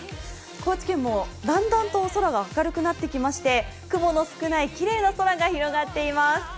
高知県もだんだんと空が明るくなってきまして雲の少ないきれいな空が広がっています。